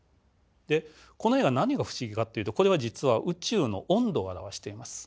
でこの絵が何が不思議かっていうとこれは実は宇宙の温度を表しています。